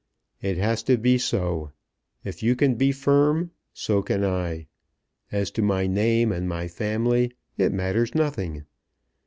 "It has to be so. If you can be firm so can I. As to my name and my family, it matters nothing.